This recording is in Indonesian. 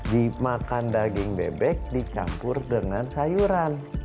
dimakan daging bebek dicampur dengan sayuran